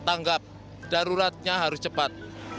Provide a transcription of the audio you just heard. tanggap daruratnya harus cepat